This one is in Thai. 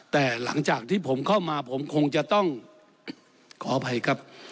แต่หลังจากที่ผมเข้ามาผมคงจะต้องขออภัยครับ